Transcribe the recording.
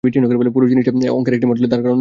পুরো জিনিসটা অঙ্কের একটি মডেলে কি দাঁড় করানো যায়?